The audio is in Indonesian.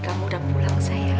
kamu udah pulang sayang